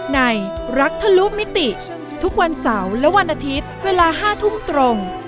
รักทะลุมิติทุกวันเสาร์และวันอาทิตย์เวลา๕ทุ่มตรง